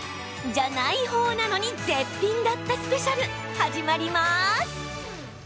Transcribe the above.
じゃない方なのに絶品だったスペシャル、始まります！